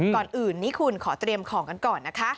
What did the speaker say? ก่อนอื่นนี้คุณขอเตรียมของกันก่อนนะคะ